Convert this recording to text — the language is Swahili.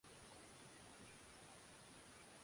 na Kumyks Dagestan Karakalpaks wana jamhuri yao